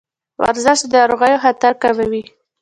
ورزش د ناروغیو خطر کموي.